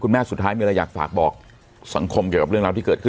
แม่สุดท้ายมีอะไรอยากฝากบอกสังคมเกี่ยวกับเรื่องราวที่เกิดขึ้น